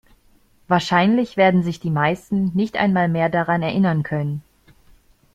Wahrscheinlich werden sich die meisten nicht einmal mehr daran erinnern können.